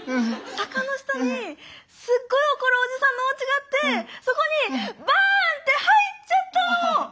坂の下にすっごい怒るおじさんのおうちがあってそこにバーンって入っちゃったの！